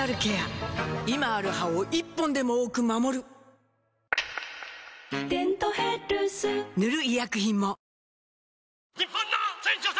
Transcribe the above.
今ある歯を１本でも多く守る「デントヘルス」塗る医薬品も